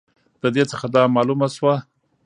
د دې څخه دا معلومه سوه